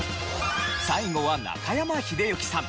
最後は中山秀征さん。